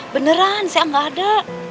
beneran saya gak ada